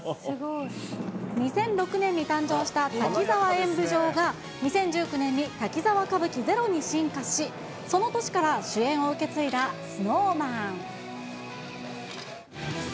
２００６年に誕生した滝沢演舞城が２０１９年に滝沢歌舞伎ＺＥＲＯに進化し、その年から主演を受け継いだＳｎｏｗＭａｎ。